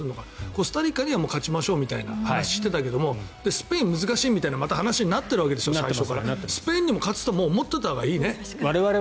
コスタリカにはもう勝ちましょうという話をしていたけどスペイン、難しいみたいな話にもまたなってるんですけどスペインにも勝つと思っていたほうがいいね。